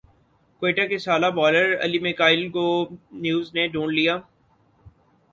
کوئٹہ کے سالہ بالر علی میکائل کو نیو زنے ڈھونڈ لیا